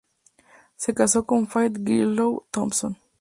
Se casó con Faith Griswold Thompson.